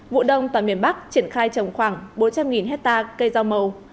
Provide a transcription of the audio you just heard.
vụ đông tại miền bắc triển khai trồng khoảng bốn trăm linh hectare cây rau màu